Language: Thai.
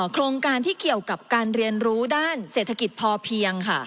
โครงการที่เกี่ยวกับการเรียนรู้ด้านเศรษฐกิจพอเพียง